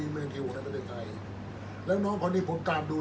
อันไหนที่มันไม่จริงแล้วอาจารย์อยากพูด